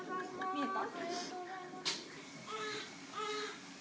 見えた？